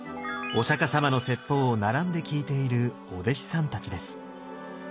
お釈様の説法を並んで聞いているお弟子さんたちです。